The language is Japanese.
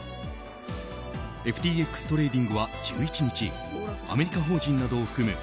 ＦＴＸトレーディングは１１日アメリカ法人などを含む